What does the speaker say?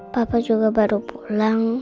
papa juga baru pulang